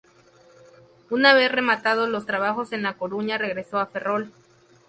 Una vez rematados los trabajos en La Coruña regresó a Ferrol.